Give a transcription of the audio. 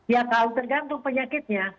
ya kalau tergantung penyakitnya